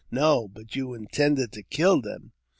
329 No ; but you intended to kill them."